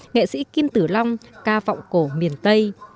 nghệ sĩ kim tử long ca vọng cổ miền tây